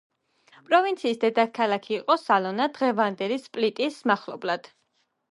პროვინციის დედაქალაქი იყო სალონა, დღევანდელი სპლიტის მახლობლად.